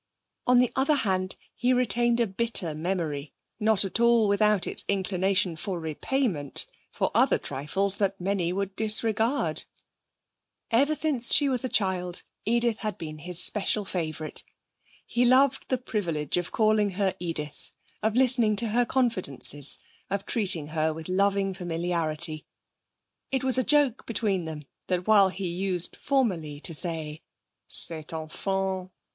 On the other hand, he retained a bitter memory, not at all without its inclination for repayment, for other trifles that many would disregard. Ever since she was a child Edith had been his special favourite. He loved the privilege of calling her Edith, of listening to her confidences, of treating her with loving familiarity. It was a joke between them that, while he used formerly to say, 'Cette enfant!